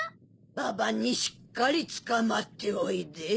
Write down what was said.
ババにしっかりつかまっておいで。